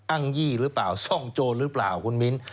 ยี่หรือเปล่าซ่องโจรหรือเปล่าคุณมิ้น